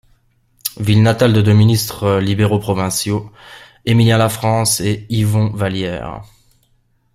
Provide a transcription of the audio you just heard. Ville natale de deux ministres libéraux provinciaux: Émilien Lafrance et Yvon Vallières.